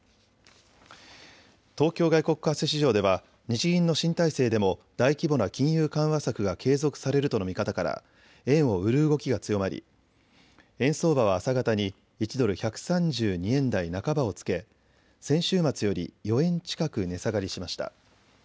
東京外国為替市場では日銀の新体制でも大規模な金融緩和策が継続されるとの見方から円を売る動きが強まり円相場は朝方に１ドル１３２円台半ばをつけ先週末より４円近く値下がりしました。